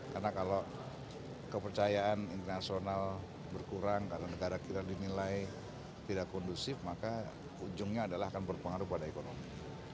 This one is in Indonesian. karena kalau kepercayaan internasional berkurang karena negara kita dinilai tidak kondusif maka ujungnya adalah akan berpengaruh pada ekonomi